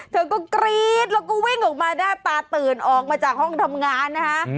เธอก็กรี๊ดแล้วก็วิ่งออกมาหน้าตาตื่นออกมาจากห้องทำงานนะคะ